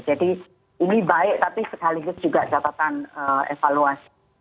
jadi ini baik tapi sekaligus juga catatan evaluasi